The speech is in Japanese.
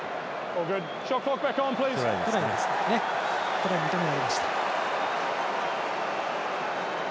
トライ、認められました。